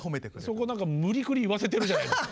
そこ何か無理くり言わせてるじゃないですか。